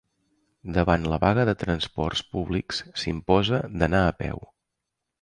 Davant la vaga de transports públics, s'imposa d'anar a peu.